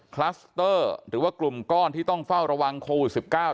คลัสเตอร์หรือว่ากลุ่มก้อนที่ต้องเฝ้าระวังโควิด๑๙